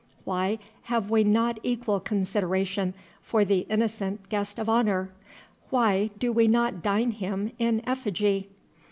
Why have we not equal consideration for the innocent Guest of Honor? Why do we not dine him in effigy?